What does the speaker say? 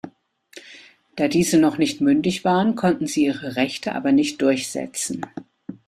Da diese noch nicht mündig waren, konnten sie ihre Rechte aber nicht durchsetzen.